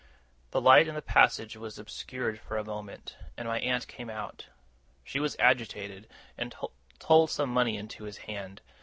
The light in the passage was obscured for a moment, and my aunt came out. She was agitated, and told some money into his hand.